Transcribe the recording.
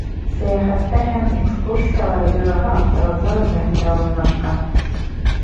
Сәйәхәттәр һәм экскурсиялар бюроһы автовокзал эргәһендә урынлашҡан.